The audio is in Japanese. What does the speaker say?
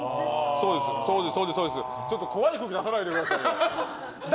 ちょっと怖い空気出さないでくださいよ。